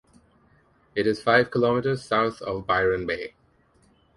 It is five kilometers south of Byron Bay.